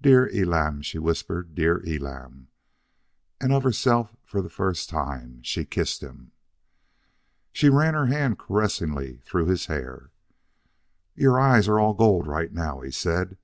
"Dear Elam," she whispered; "dear Elam." And of herself, for the first time, she kissed him. She ran her hand caressingly through his hair. "Your eyes are all gold right now," he said.